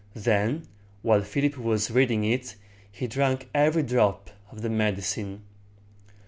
Then, while Philip was reading it, he drank every drop of the medicine.